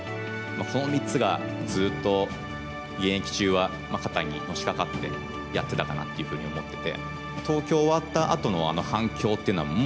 この３つがずっと現役中は肩にのしかかってやってたかなと思ってて。